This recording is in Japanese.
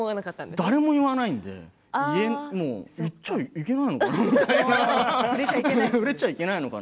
誰も言わないので言っちゃいけないのかな